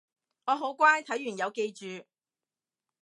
我好乖睇完有記住